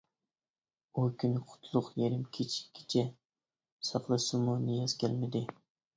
ئۇ كۈنى قۇتلۇق يېرىم كېچىگىچە ساقلىسىمۇ نىياز كەلمىدى.